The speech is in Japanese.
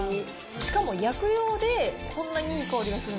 しかも薬用で、こんなにいい香りするの、